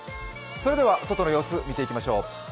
それでは外の様子見てみましょう。